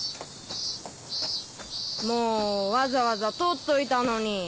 もうわざわざ取っといたのに。